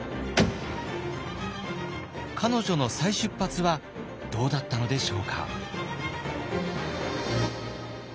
彼女の再出発はどうだったのでしょうか。